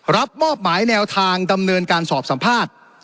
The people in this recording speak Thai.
รับมอบหมายแนวทางดำเนินการสอบสัมภาษณ์